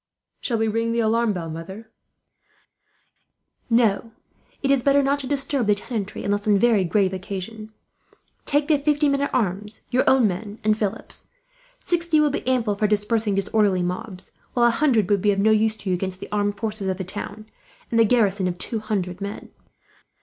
"Shall we ring the alarm bell, mother?" "No; it is better not to disturb the tenantry, unless on very grave occasion. Take the fifty men at arms, your own men, and Philip's. Sixty will be ample for dispersing disorderly mobs; while a hundred would be of no use to you, against the armed forces of the town and the garrison of two hundred men."